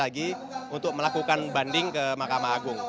sehingga jr saragih akan melakukan banding ke mahkamah agung